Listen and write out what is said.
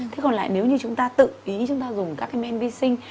thế còn lại nếu như chúng ta tự ý chúng ta dùng các cái men vi sinh